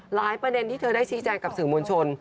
ประเด็นที่เธอได้ชี้แจงกับสื่อมวลชน